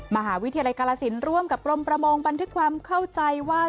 มหาวิทยาลัยกาลสินร่วมกับกรมประมงบันทึกความเข้าใจว่า